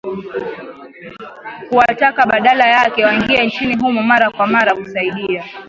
kuwataka badala yake waingie nchini humo mara kwa mara kusaidia